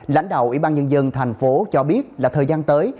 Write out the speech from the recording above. lãnh đạo ủy ban nhân dân tp hcm cho biết là thời gian tới